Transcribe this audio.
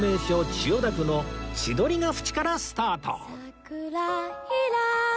千代田区の千鳥ヶ淵からスタート